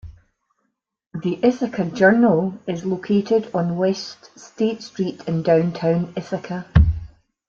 "The Ithaca Journal" is located on West State Street in downtown Ithaca.